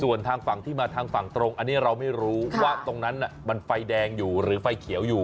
ส่วนทางฝั่งที่มาทางฝั่งตรงอันนี้เราไม่รู้ว่าตรงนั้นมันไฟแดงอยู่หรือไฟเขียวอยู่